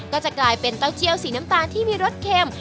ก็จะกลายเป็นเต้าเจียวสีน้ำตาลที่มีรสเค็ม